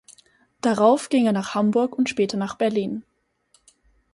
Darauf ging er nach Hamburg und später nach Berlin.